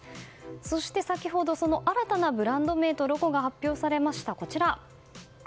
そして、先ほどその新たなブランド名とロゴが発表されました。